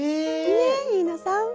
ね飯野さん。